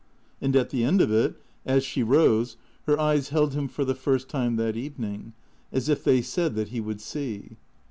And at the end of it, as she rose, her eyes held him for the first time that evening, as if they said that he would see.